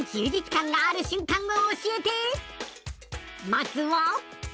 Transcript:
まずは。